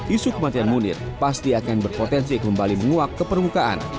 isu kematian munir pasti akan berpotensi kembali menguak ke permukaan